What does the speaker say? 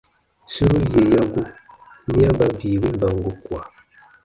Suru yè ya gu, miya sa bii wi bango kua.